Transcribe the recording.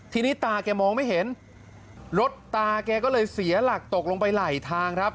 ทีนี้ตาแกมองไม่เห็นรถตาแกก็เลยเสียหลักตกลงไปไหลทางครับ